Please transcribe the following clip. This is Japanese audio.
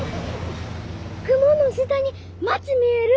雲の下に町見える！